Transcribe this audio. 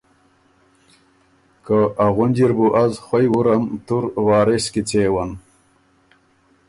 که ”ا غُنجی ر بُو از خوئ وُرم تُو ر وارث کیڅېون“